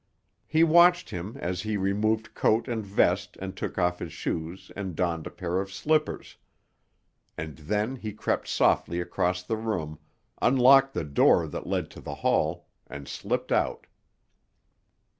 He watched him as he removed coat and vest and took off his shoes and donned a pair of slippers. And then he crept softly across the room, unlocked the door that led to the hall, and slipped out.